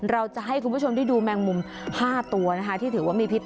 เราจะให้คุณผู้ชมได้ดูแมงมุม๕ตัวนะคะที่ถือว่ามีพิษ